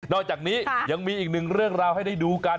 อกจากนี้ยังมีอีกหนึ่งเรื่องราวให้ได้ดูกัน